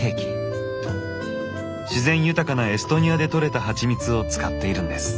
自然豊かなエストニアでとれたはちみつを使っているんです。